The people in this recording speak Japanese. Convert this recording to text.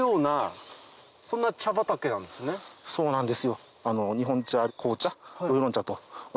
そうなんですよ。